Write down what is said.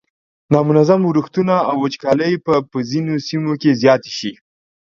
نامنظم ورښتونه او وچکالۍ به په ځینو سیمو کې زیاتې شي.